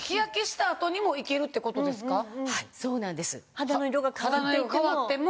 肌の色が変わっても。